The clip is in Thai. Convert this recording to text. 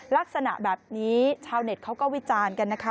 ลักษณะแบบนี้ชาวเน็ตเขาก็วิจารณ์กันนะคะ